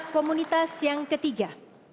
komunitas yang ketiga